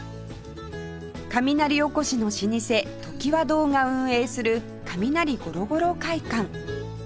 雷おこしの老舗常盤堂が運営する雷５６５６会館